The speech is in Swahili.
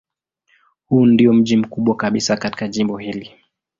Huu ndiyo mji mkubwa kabisa katika jimbo hili.